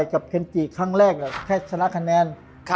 กับเคนจิครั้งแรกแค่ชนะคะแนน